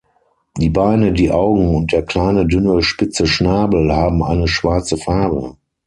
Die Beine, die Augen und der kleine dünne spitze Schnabel haben eine schwarze Farbe.